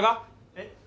えっ？